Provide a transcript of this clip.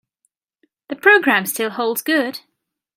The programme still holds good.